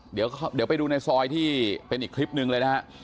เดี๋ยวไปดูในซอยที่เป็นอีกคลิปหนึ่งเลยนะฮะ